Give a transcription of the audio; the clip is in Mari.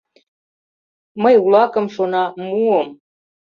«Мый улакым, — шона, — муым»